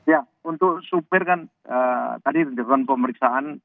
ya untuk supir kan tadi dilakukan pemeriksaan